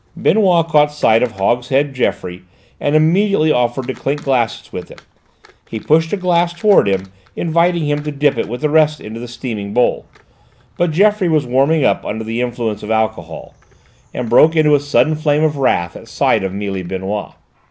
Benoît caught sight of Hogshead Geoffroy and immediately offered to clink glasses with him; he pushed a glass towards him, inviting him to dip it with the rest into the steaming bowl; but Geoffroy was warming up under the influence of alcohol, and broke into a sudden flame of wrath at sight of Mealy Benoît.